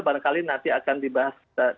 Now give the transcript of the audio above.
barangkali nanti akan dibahas kita akan menjelaskan